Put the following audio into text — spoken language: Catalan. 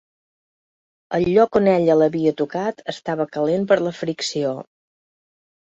El lloc on ella l'havia tocat estava calent per la fricció.